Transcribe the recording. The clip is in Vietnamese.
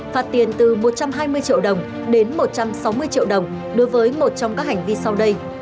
phạt tiền từ một trăm hai mươi triệu đồng đến một trăm sáu mươi triệu đồng đối với một trong các hành vi sau đây